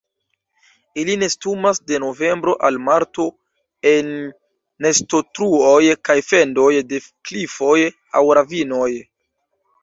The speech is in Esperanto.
Ili nestumas de novembro al marto en nestotruoj kaj fendoj de klifoj aŭ ravinoj.